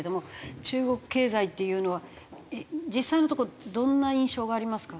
中国経済というのは実際のところどんな印象がありますか？